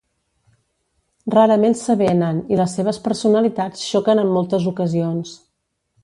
Rarament s'avenen i les seves personalitats xoquen en moltes ocasions.